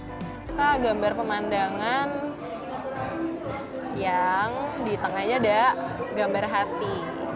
kita gambar pemandangan yang di tengahnya ada gambar hati